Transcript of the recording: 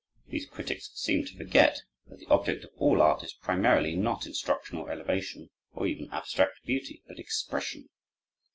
These critics seem to forget that the object of all art is primarily, not instruction or elevation, or even abstract beauty, but expression.